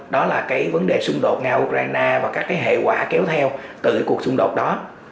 đó là cái vấn đề xung đột nga ukraine và các cái hệ quả kéo theo từ cái cuộc xung đột đó